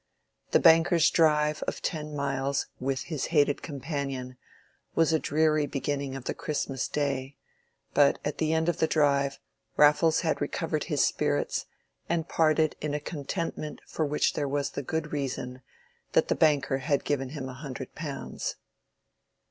The banker's drive of ten miles with his hated companion was a dreary beginning of the Christmas day; but at the end of the drive, Raffles had recovered his spirits, and parted in a contentment for which there was the good reason that the banker had given him a hundred pounds.